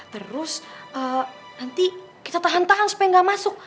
terus nanti kita tahan tangan supaya gak masuk